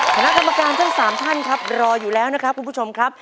คณะกรรมการทั้ง๓ท่านครับรออยู่แล้วนะครับคุณผู้ชมครับ